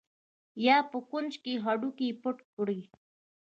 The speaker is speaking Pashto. یا په کوچ کې هډوکي پټ کړي